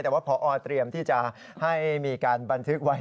แต่ว่าพอเตรียมที่จะให้มีการบันทึกไว้